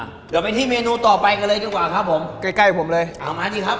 เดี๋ยวไปที่เมนูต่อไปกันเลยดีกว่าครับผมใกล้ใกล้ผมเลยเอามานี่ครับ